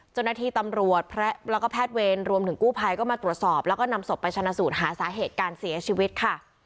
เจ้าหน้าที่ตำรวจแล้วก็แพทย์เวรรวมถึงกู้ภัยก็มาตรวจสอบแล้วก็นำศพไปชนะสูตรหาสาเหตุการเสียชีวิตค่ะ